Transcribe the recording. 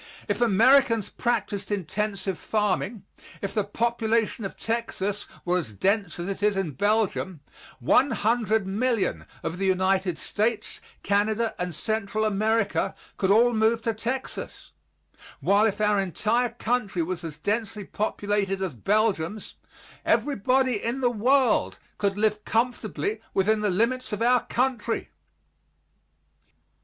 If Americans practised intensive farming; if the population of Texas were as dense as it is in Belgium 100,000,000 of the United States, Canada and Central America could all move to Texas, while if our entire country was as densely populated as Belgium's, everybody in the world could live comfortably within the limits of our country.